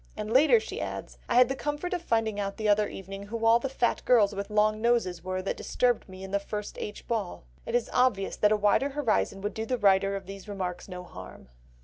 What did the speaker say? And later she adds: "I had the comfort of finding out the other evening who all the fat girls with long noses were that disturbed me at the 1st H. ball." It is obvious that a wider horizon would do the writer of these remarks no harm.